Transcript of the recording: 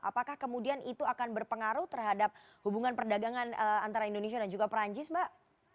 apakah kemudian itu akan berpengaruh terhadap hubungan perdagangan antara indonesia dan juga perancis mbak